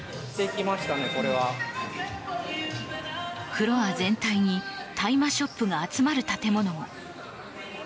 フロア全体に大麻ショップが集まる建物も。